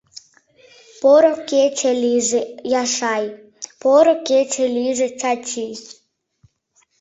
— Поро кече лийже, Яшай, поро кече лийже, Чачи!